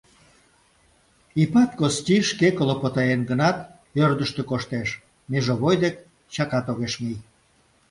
Ипат Кости шке клопотаен гынат, ӧрдыжтӧ коштеш, межовой дек чакат огеш мие.